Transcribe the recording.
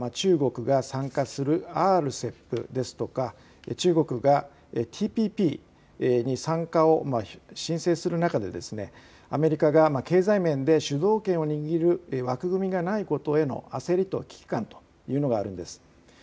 背景には中国が参加するＲＣＥＰですとか中国がＴＰＰに参加を申請する中でアメリカが経済面で主導権を握る枠組みがないことへの焦りと危機感というのがあるんです。